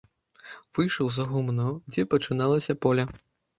Выйшаў за гумно, дзе пачыналася поле.